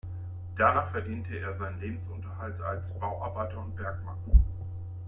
Danach verdiente er seinen Lebensunterhalt als Bauarbeiter und Bergmann.